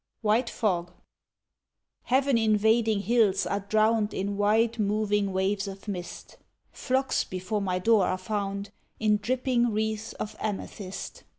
White Fog Heaven invading hills are drowned In wide moving waves of mist, Phlox before my door are wound In dripping wreaths of amethyst.